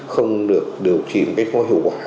không được điều trị một cách có hiệu quả